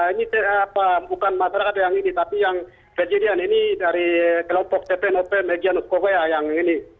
ini bukan masyarakat yang ini tapi yang kejadian ini dari kelompok tpnopm egyanus kokea yang ini